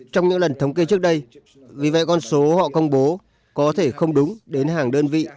trong những lần thống kê trước đây vì vậy con số họ công bố có thể không đúng đến hàng đơn vị